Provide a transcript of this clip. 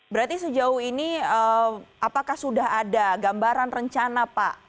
berarti sejauh ini apakah sudah ada gambaran rencana pak